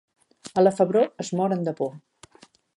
A la Febró es moren de por.